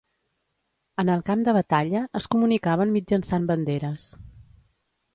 En el camp de batalla, es comunicaven mitjançant banderes.